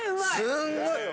すんごい。